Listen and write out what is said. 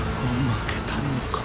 負けたのか？